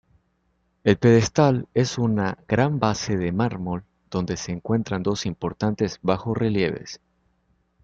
El pedestal es una gran base de mármol donde se encuentran dos importantes bajorrelieves.